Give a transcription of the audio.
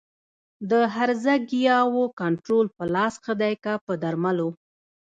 د هرزه ګیاوو کنټرول په لاس ښه دی که په درملو؟